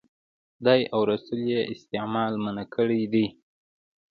خدای او رسول یې استعمال منع کړی دی.